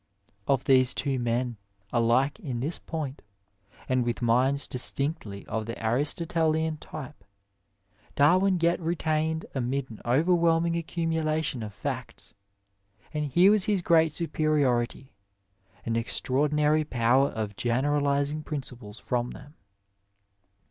Of these two men, ahke in this point, and with minds distinctly of the Aristotelian tjrpe, Darwin yet retained amid an overwhelming accumula tion of facts — ^and here was his great superiority— an extra ordinary power of generalising principles from them.